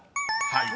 ［はい。